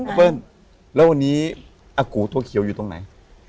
เปิ้ลแล้ววันนี้อากูตัวเขียวอยู่ตรงไหน